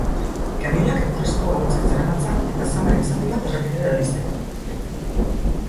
Kamioiak egurrezko oholtzak zeramatzan eta zamaren zati bat errepidera erori zaio.